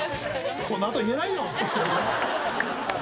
このあと言えないよ！